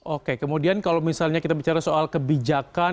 oke kemudian kalau misalnya kita bicara soal kebijakan